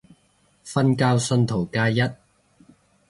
瞓覺信徒加一